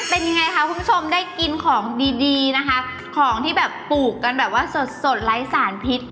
เป็นยังไงคะคุณผู้ชมได้กินของดีดีนะคะของที่แบบปลูกกันแบบว่าสดสดไร้สารพิษ